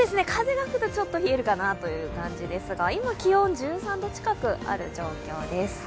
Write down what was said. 風が吹くと、ちょっと冷えるかなという感じですが、今、気温１３度近くある状況です。